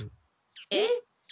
えっ？